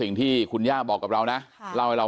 เป็นมีดปลายแหลมยาวประมาณ๑ฟุตนะฮะที่ใช้ก่อเหตุ